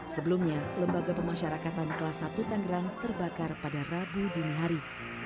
sebelumnya lembaga pemasyarakatan kelas satu tanggrang terbakar pada rabu dinihari